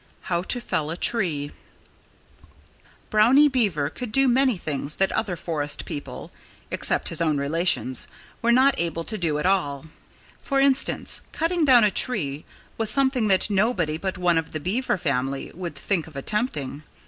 II HOW TO FELL A TREE Brownie Beaver could do many things that other forest people (except his own relations) were not able to do at all. For instance, cutting down a tree was something that nobody but one of the Beaver family would think of attempting.